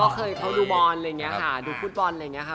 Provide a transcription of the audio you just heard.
ก็เคยเขาดูบอลอะไรอย่างนี้ค่ะดูฟุตบอลอะไรอย่างนี้ค่ะ